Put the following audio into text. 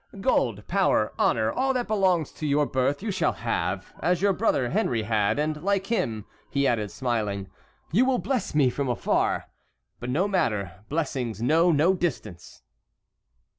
Gold, power, honor, all that belongs to your birth you shall have, as your brother Henry had, and like him," he added, smiling, "you will bless me from afar. But no matter, blessings know no distance."